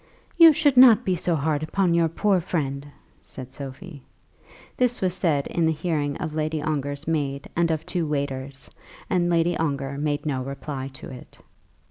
"You should not be so hard upon your poor friend," said Sophie. This was said in the hearing of Lady Ongar's maid and of two waiters, and Lady Ongar made no reply to it.